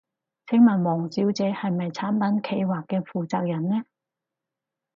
請問王小姐係唔係產品企劃嘅負責人呢？